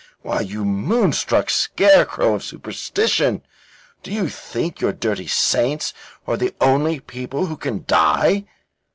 "Why, you moonstruck scarecrow of superstition, do you think your dirty saints are the only people who can die?